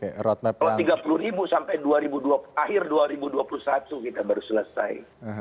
kalau tiga puluh ribu sampai akhir dua ribu dua puluh satu kita baru selesai